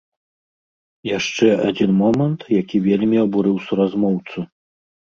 Яшчэ адзін момант, які вельмі абурыў суразмоўцу.